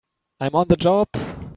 I'm on the job!